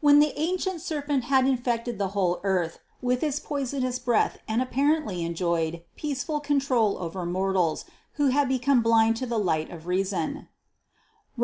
165. When the ancient serpent had infected the whole earth with its poisonous breath and apparently enjoyed 141 142 CITY OF GOD peaceful control over mortals who had become blind to the light of reason (Rom.